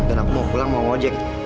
dan aku mau pulang mau ngojek